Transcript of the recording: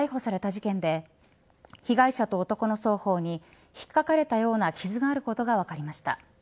事件で被害者と男の双方に引っかかれたような傷があることが分かりました。